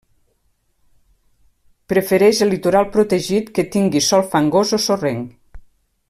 Prefereix el litoral protegit que tingui sòl fangós o sorrenc.